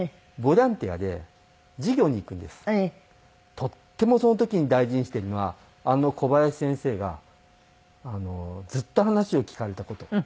とってもその時に大事にしてるのはあの小林先生がずっと話を聞かれた事。